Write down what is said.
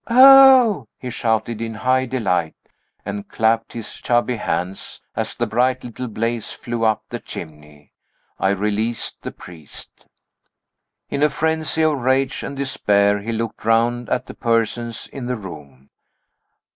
"Oh!" he shouted, in high delight, and clapped his chubby hands as the bright little blaze flew up the chimney. I released the priest. In a frenzy of rage and despair, he looked round at the persons in the room.